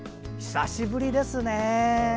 久しぶりですね。